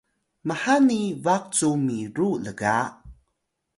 mhani baq cu miru lga